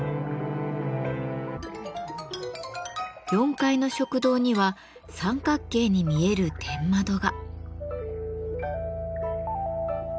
４階の食堂には三角形に見える天窓が。